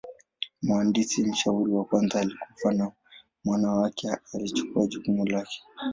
Mhandisi mshauri wa kwanza alikufa na mwana wake alichukua jukumu lake.